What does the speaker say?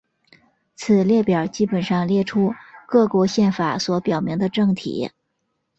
此列表基本上列出各国宪法所表明的政体。